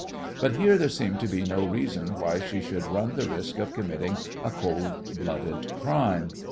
But here there seemed to be no reason why she should run the risk of committing a cold blooded crime.